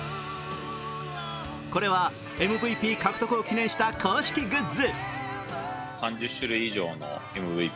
これはＭＶＰ獲得を記念した公式グッズ。